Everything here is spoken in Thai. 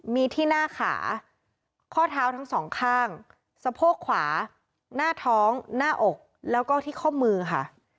มีที่หน้าขาข้อเท้าทั้งสองข้างสะโพกขวาหน้าท้องหน้าอกแล้วก็ที่ข้อมือค่ะ